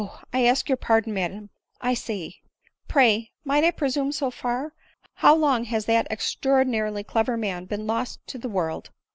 I ask your pardon, madam, I see; pray, might I presume so far, how long has that extraordinarily clever man been lost to the world?"